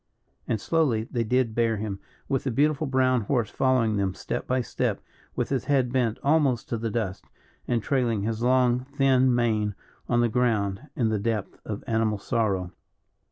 And slowly they did bear him, with the beautiful brown horse following them step by step with his head bent almost to the dust, and trailing his long, thin mane on the ground, in the depth of animal sorrow.